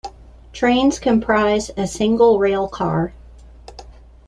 Trains comprise a single railcar.